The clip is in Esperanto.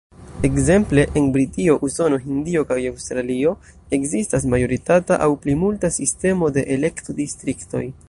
Ekzemple en Britio, Usono, Hindio kaj Aŭstralio ekzistas majoritata aŭ plimulta sistemo de elekto-distriktoj.